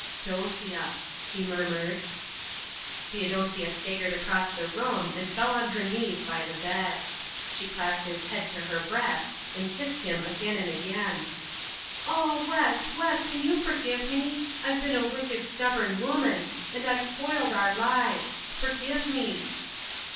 "Dosia," he murmured. Theodosia staggered across the room and fell on her knees by the bed. She clasped his head to her breast and kissed him again and again. "Oh, Wes, Wes, can you forgive me? I've been a wicked, stubborn woman and I've spoiled our lives. Forgive me."